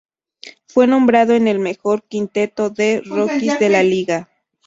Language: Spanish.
Fue nombrado en el mejor quinteto de rookies de la liga.